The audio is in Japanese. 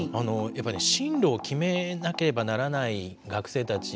進路を決めなければならない学生たち。